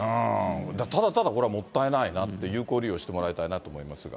ただただ、これもったいないなと、有効利用してもらいたいなと思いますが。